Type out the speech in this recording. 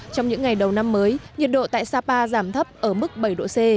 trong những ngày đầu năm mới nhiệt độ tại sapa giảm thấp ở mức bảy độ c